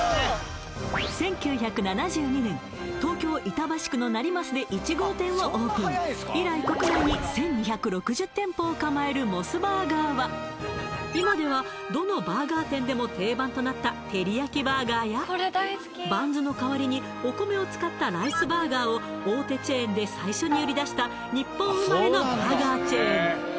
１９７２年東京・板橋区の成増で１号店をオープン以来国内に１２６０店舗を構えるモスバーガーは今ではどのバーガー店でも定番となったテリヤキバーガーやバンズの代わりにお米を使ったライスバーガーを大手チェーンで最初に売り出した日本生まれのバーガーチェーン